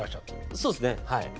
そうっすねはい。